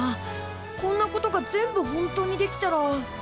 こんなことが全部ほんとにできたら。